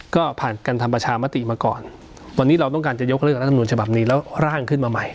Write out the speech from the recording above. ก็ผ่านการทำประชามติมาก่อนวันนี้เราต้องการจะยกเลิกรัฐมนุนฉบับนี้แล้วร่างขึ้นมาใหม่